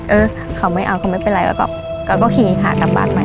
เออเขาไม่เอาเขาไม่เป็นไรแล้วก็ขี่อีกขาดตามบ้านไป